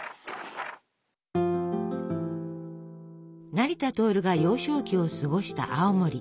成田亨が幼少期を過ごした青森。